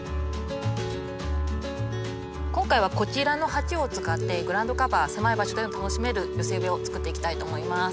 今回はこちらの鉢を使ってグラウンドカバー狭い場所でも楽しめる寄せ植えを作っていきたいと思います。